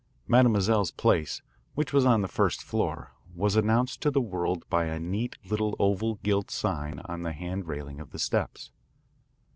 Mademoiselle's place, which was on the first floor, was announced to the world by a neat little oval gilt sign on the hand railing of the steps.